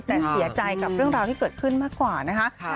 แต่เสียใจกับเรื่องราวที่เกิดขึ้นมากกว่านะคะ